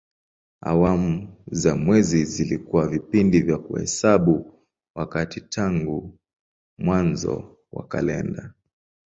Awamu za mwezi zilikuwa vipindi vya kuhesabu wakati tangu mwanzo wa kalenda.